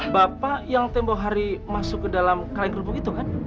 bapak yang tembok hari masuk ke dalam kaleng kerupuk itu kan